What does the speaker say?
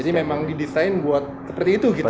jadi memang didesain buat seperti itu gitu ya